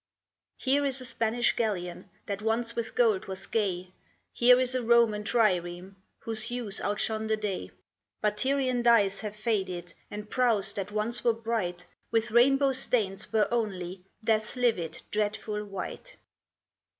Here is a Spanish galleon That once with gold was gay, Here is a Roman trireme Whose hues outshone the day. But Tyrian dyes have faded, And prows that once were bright With rainbow stains wear only Death's livid, dreadful white.